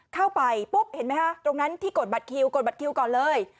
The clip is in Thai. เข้าไปปุ๊บเห็นไหมคะตรงนั้นที่กดบัตรคิวกดบัตรคิวก่อนเลย